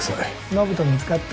延人見つかった？